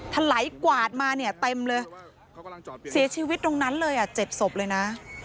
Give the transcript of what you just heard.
ถลายกวาดมาเนี่ยเต็มเลยเสียชีวิตตรงนั้นเลยอ่ะ๗ศพเลยนะ